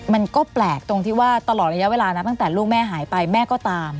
มันก็แปลกตรงที่ว่าตลอดระยะเวลานะตั้งแต่ลูกแม่หายไปแม่ก็ตาม